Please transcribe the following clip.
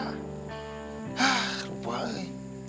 hah lupa lagi